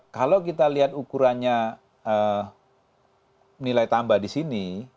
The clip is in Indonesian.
kalau kita lihat ukurannya nilai tambah di sini